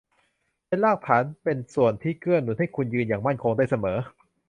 เป็นรากฐานเป็นส่วนที่เกื้อหนุนให้คุณยืนอย่างมั่นคงได้เสมอ